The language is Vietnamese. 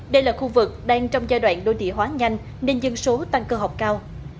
đây là khu vực đang trong giai đoạn đô địa hóa nhanh nên dân số tăng cơ học cao